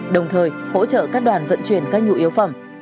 đồng thời hỗ trợ các đoàn vận chuyển các nhu yếu phẩm